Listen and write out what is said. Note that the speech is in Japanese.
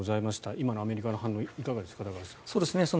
今のアメリカの反応いかがですか、高橋さん。